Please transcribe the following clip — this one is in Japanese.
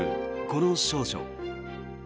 この少女。